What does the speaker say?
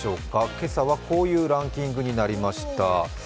今朝はこういうランキングになりました。